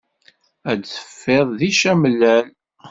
Ad d-teffiḍ di camlal.